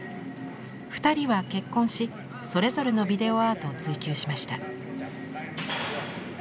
２人は結婚しそれぞれのビデオアートを追求しました。